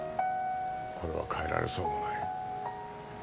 これは変えられそうもない。